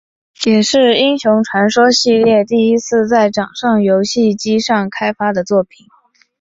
也是英雄传说系列第一次在掌上游戏机上开发的作品。